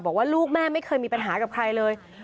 บอกว่าลูกแม่ไม่เคยมีปัญหากับใครเลย